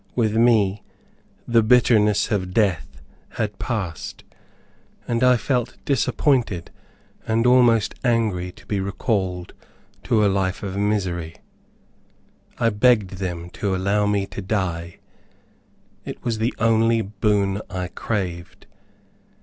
With me the "bitterness of death had passed," and I felt disappointed and almost angry to be recalled to a life of misery. I begged them to allow me to die. It was the only boon I craved.